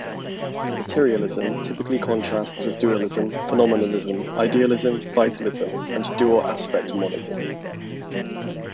Materialism typically contrasts with dualism, phenomenalism, idealism, vitalism, and dual-aspect monism.